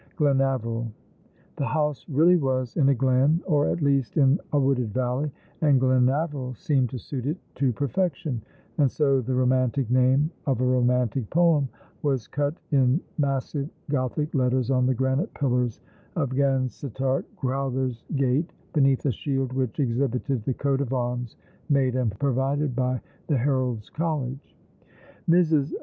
Glenaveril. The house really was in a glen, or at least in a wooded valley, and Glenaveril seemed to suit it to per fection ; and so the romantic name of a romantic poem was cut in massive Gothic letters on the granite pillars of o S All along the River. Vansittart Crowther's gate, beneath a shield which exhibited the coat of arms made and provided by the Herald's College. Mrs.